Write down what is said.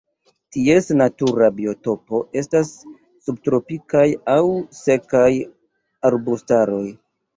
Ties natura biotopo estas subtropikaj aŭ sekaj arbustaroj.